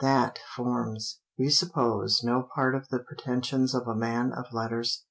that forms, we suppose, no part of the pretensions of a man of letters.